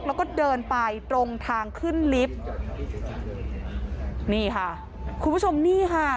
แล้วก็เดินไปตรงทางขึ้นลิฟต์นี่ค่ะคุณผู้ชมนี่ค่ะ